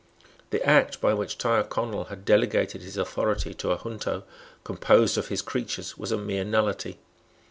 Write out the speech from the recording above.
The Act by which Tyrconnel had delegated his authority to a junto composed of his creatures was a mere nullity.